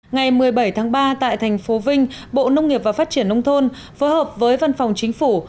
ngày một mươi bảy tháng ba tại thành phố vinh bộ nông nghiệp và phát triển nông thôn phối hợp với văn phòng chính phủ